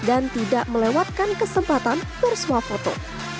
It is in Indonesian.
dan tidak melewatkan kesempatan bersuap foto